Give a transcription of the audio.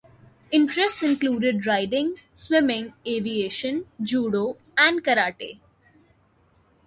Interests included riding, swimming, aviation, judo, and karate.